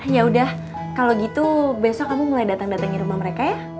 yaudah kalau gitu besok kamu mulai datang datengin rumah mereka ya